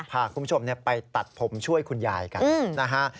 พาคุณผู้ชมไปตัดผมช่วยคุณยายกันนะฮะ